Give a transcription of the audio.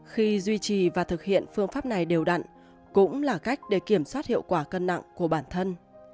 khi duy trì và thực hiện phương pháp này đều đặn cũng là cách để kiểm soát hiệu quả cân nặng của bản thân